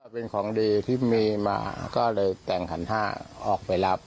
เป็นของดีที่มีมาก็เลยแต่งขันห้าออกไปรับ